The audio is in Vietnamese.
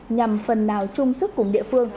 nhằm phần nào chung sức cùng địa phương